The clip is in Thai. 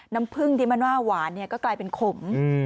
น้ำผึ้งที่มันว่าหวานเนี่ยก็กลายเป็นขม